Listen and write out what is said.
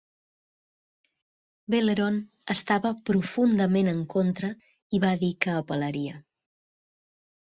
Veleron estava profundament en contra i va dir que apel·laria.